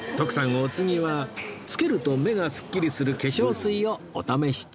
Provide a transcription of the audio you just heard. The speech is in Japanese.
お次はつけると目がすっきりする化粧水をお試し中